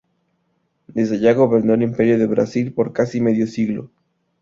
Desde allá gobernó el Imperio de Brasil por casi medio siglo.